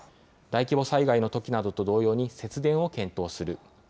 大規模災害のときなどと同様に、節電を検討する。